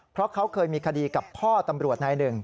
เพราะเขาเคยมีคดีกับพ่อตำรวจนายหนึ่ง